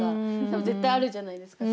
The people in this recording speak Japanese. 多分絶対あるじゃないですか。